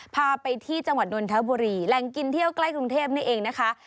พาไปที่จังหวัดนนทบุรีแหล่งกินเที่ยวใกล้กรุงเทพนี่เองนะคะ